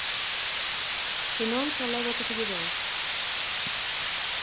Se non, só leva o que se lle deu.